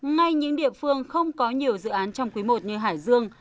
ngay những địa phương không có nhiều dự án trong quý i như hải dương